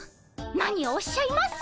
何をおっしゃいます！